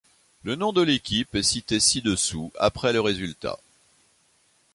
Le nom de l'équipe est citée ci-dessous après le résultat.